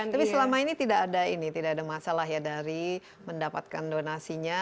tapi selama ini tidak ada ini tidak ada masalah ya dari mendapatkan donasinya